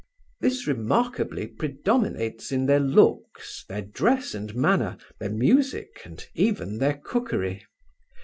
This remarkably predominates in their looks, their dress and manner, their music, and even their cookery.